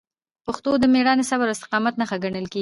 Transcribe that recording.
پښتو د میړانې، صبر او استقامت نښه ګڼل کېږي.